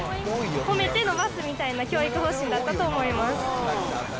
褒めて伸ばすみたいな教育方針だったと思います。